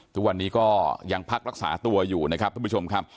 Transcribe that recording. ทุกวันนี้ก็ยังพักรักษาตัวอยู่นะครับทุกผู้ชมครับ